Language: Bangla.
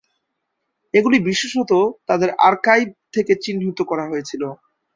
এগুলি বিশেষত তাদের আর্কাইভ থেকে চিহ্নিত করা হয়েছিল।